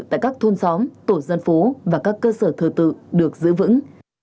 tại các thôn xóm tổ dân phố và các cơ sở thờ tự được giữ vững